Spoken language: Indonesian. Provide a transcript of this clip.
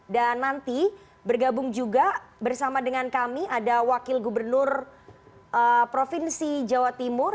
dan nanti bergabung juga bersama dengan kami ada wakil gubernur provinsi jawa timur